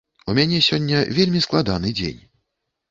У мяне сёння вельмі складаны дзень.